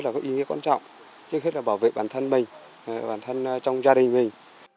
cái quyền lợi là có ý nghĩa quan trọng trước hết là bảo vệ bản thân mình bản thân trong gia đình mình